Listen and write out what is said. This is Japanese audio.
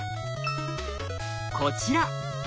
こちら。